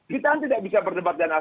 kita tidak bisa berdebat dan apa